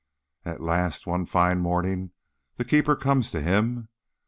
At last one fine morning the keeper comes to him.